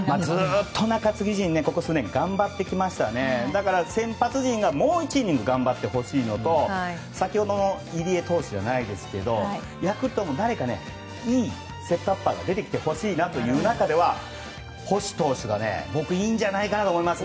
ずっと中継ぎ陣はここ数年、頑張ってきましたからだから、先発陣がもう１イニング頑張ってほしいのと先ほどの入江投手じゃないですけどヤクルトも、誰かいいセットアッパーが出てきてほしいなという中では星投手が僕はいいんじゃないかなと思います。